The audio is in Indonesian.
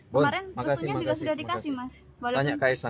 kemaren khususnya juga sudah dikasih mas